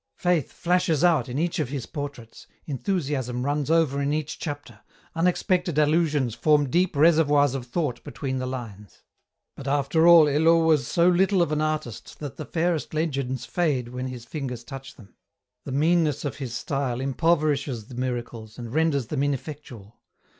Faith flashes out in each of his portraits, enthusiasm runs over in each chapter, unexpected allusions form deep reservoirs of thought between the lines ; but after all Hello was so little of an artist that the fairest legends fade when his fingers touch them ; the meanness EN ROUTE. 21 of his style impoverishes the miracles and renders them ineffectual.